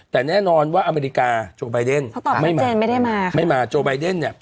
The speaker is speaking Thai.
แต่แน่นอนว่าอเมริกาโจเบอร์เดน